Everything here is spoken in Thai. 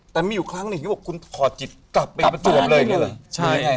แต่ไม่อยู่ครั้งนี้คุณขอจิตกลับไปประจวบเลย